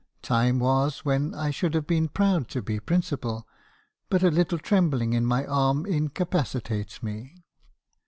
Time was when I should have been proud to be principal, but a little trembling in my arm incapaci tates me.'